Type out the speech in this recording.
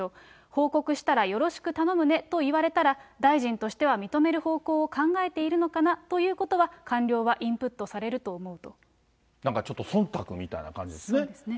報告したらよろしく頼むねと言われたら、大臣としては、認める方向を考えているのかなということは、なんかちょっと、そんたくみそうですね。